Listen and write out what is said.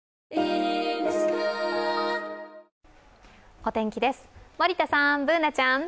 お天気です、森田さん、Ｂｏｏｎａちゃん。